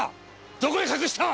どこへ隠した。